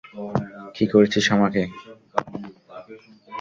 কী করেছিস আমাকে?